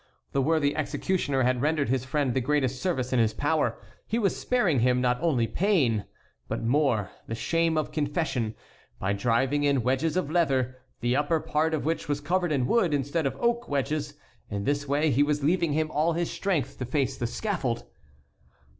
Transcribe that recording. The worthy executioner had rendered his friend the greatest service in his power: he was sparing him not only pain, but more, the shame of confession, by driving in wedges of leather, the upper part of which was covered with wood, instead of oak wedges. In this way he was leaving him all his strength to face the scaffold.